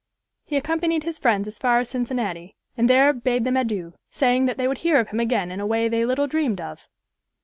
He accompanied his friends as far as Cincinnati, and there bade them adieu, saying that they would hear of him again in a way they little dreamed of.